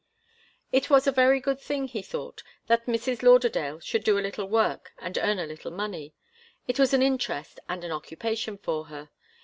It was a very good thing, he thought, that Mrs. Lauderdale should do a little work and earn a little money. It was an interest and an occupation for her.